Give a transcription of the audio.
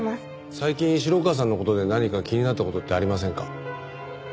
最近城川さんの事で何か気になった事ってありませんか？